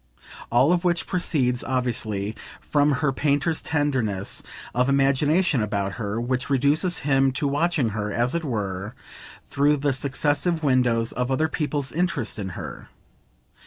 All of which proceeds, obviously, from her painter's tenderness of imagination about her, which reduces him to watching her, as it were, through the successive windows of other people's interest in her.